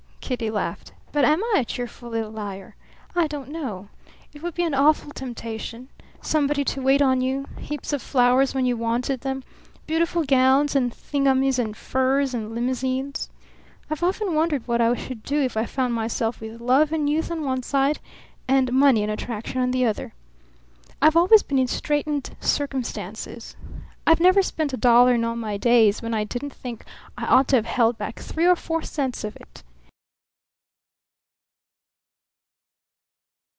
Kitty laughed. "But am I a cheerful little liar? I don't know. It would be an awful temptation. Somebody to wait on you; heaps of flowers when you wanted them; beautiful gowns and thingummies and furs and limousines. I've often wondered what I should do if I found myself with love and youth on one side and money and attraction on the other. I've always been in straitened circumstances. I never spent a dollar in all my days when I didn't think I ought to have held back three or four cents of it.